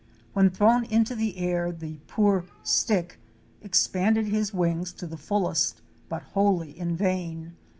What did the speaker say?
When thrown into the air the poor "stick'' expanded his wings to the fullest but wholly in vain.